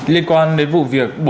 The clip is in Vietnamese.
liên quan đến vụ việc